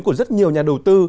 của rất nhiều nhà đầu tư